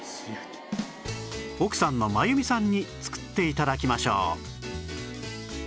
奥さんの真由美さんに作って頂きましょう